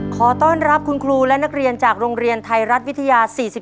ขอต้อนรับคุณครูและนักเรียนจากโรงเรียนไทยรัฐวิทยา๔๔